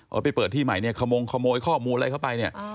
ไปเปิดที่ใหม่เนี่ยขมงขโมยข้อมูลอะไรเข้าไปเนี่ย